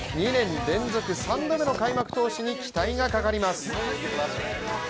２年連続、３度目の開幕投手に期待がかかります。